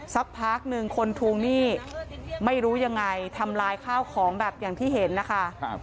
สักพักหนึ่งคนทวงหนี้ไม่รู้ยังไงทำลายข้าวของแบบอย่างที่เห็นนะคะ